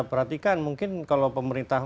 perhatikan mungkin kalau pemerintah